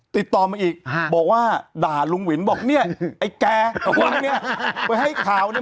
ติดต่อมาอีกบอกว่าด่าลุงวินบอกเนี่ยไอ้แกคนนี้ไปให้ข่าวเนี่ย